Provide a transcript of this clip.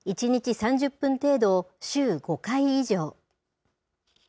１日３０分程度を週５回以上。